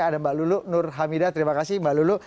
ada mbak lulu nur hamidah terima kasih mbak lulu